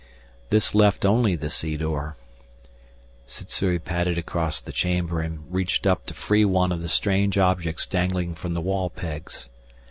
This left only the sea door. Sssuri padded across the chamber and reached up to free one of the strange objects dangling from the wall pegs.